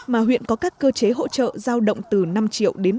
mà huyện có các cơ chế hỗ trợ giao động từ năm triệu đồng